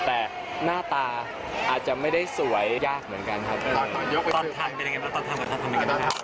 แต่หน้าตาอาจจะไม่ได้สวยยากเหมือนกันครับตอนทานเป็นยังไงบ้างตอนทำกับท่านทำยังไงบ้างครับ